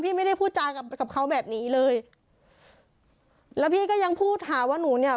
ไม่ได้พูดจากับกับเขาแบบนี้เลยแล้วพี่ก็ยังพูดหาว่าหนูเนี่ย